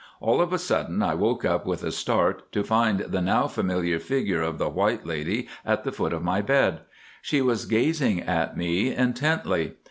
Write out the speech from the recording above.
All of a sudden I woke up with a start to find the now familiar figure of the 'White Lady' at the foot of my bed. She was gazing at me intently.